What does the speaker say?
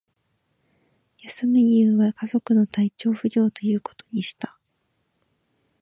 休む理由は、家族の体調不良ということにした